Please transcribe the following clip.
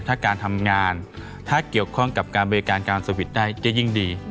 ถ้าการทำงานถ้าเกี่ยวข้องกับการบริการการสวิตช์ได้จะยิ่งดี